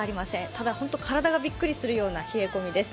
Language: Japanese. ただほんと、体がびっくりするような冷え込みです。